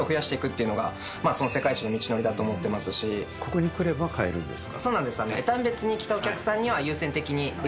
ここに来れば買えるんですか？